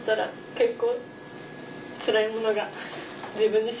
結構。